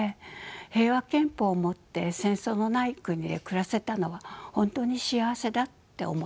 平和憲法を持って戦争のない国で暮らせたのは本当に幸せだって思っています。